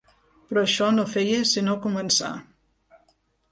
Però això no feia sinó començar.